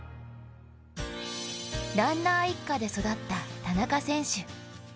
ランナー一家で育った田中選手。